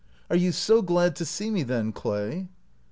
" Are you so glad to see me then, Clay